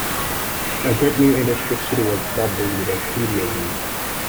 A great new industrial city was bubbling with enthusiasm.